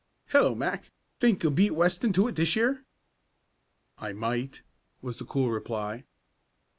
"Hello, Mac! Think you'll beat Weston to it this year?" "I might," was the cool reply.